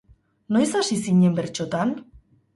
Noiz hasi zinen bertsotan?